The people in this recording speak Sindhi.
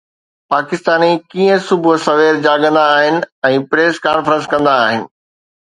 پاڪستاني ڪيئن صبح سوير جاڳندا آهن ۽ پريس ڪانفرنس ڪندا آهن